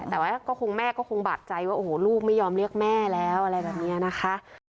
แต่แม่ก็คงบาดใจว่าลูกไม่ยอมเรียกแม่แล้วอะไรแบบนี้นะคะ